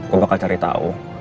gue bakal cari tahu